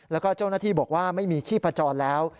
แล้วก็เจ้าหน้าที่บอกว่าไม่มีชีพจรแล้ว